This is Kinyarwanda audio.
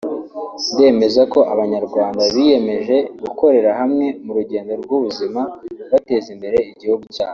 ndemeza ko abanyarwanda biyemeje gukorera hamwe mu rugendo rw’ubuzima bateza imbere igihugu cyabo